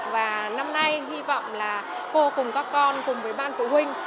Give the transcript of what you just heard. và năm nay hy vọng là cô cùng các con cùng với ban phụ huynh